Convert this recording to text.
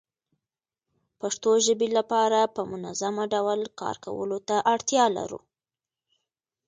پښتو ژبې لپاره په منظمه ډول کار کولو ته اړتيا لرو